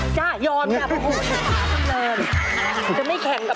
ค่ะยอดค่ะ